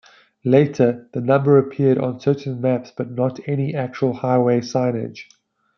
Later, the number appeared on certain maps but not any actual highway signage.